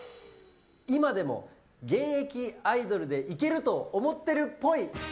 今でも現役アイドルでいけると思ってるっぽい。